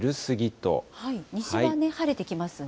西側は晴れてきますね。